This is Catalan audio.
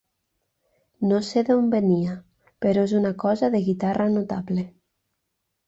No sé d'on venia, però és una cosa de guitarra notable.